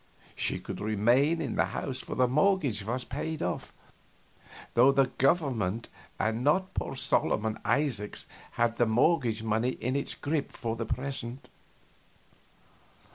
She could remain in the house, for the mortgage was paid off, though the government and not poor Solomon Isaacs had the mortgage money in its grip for the present.